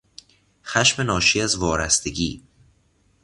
خشم ناشی از وارستگی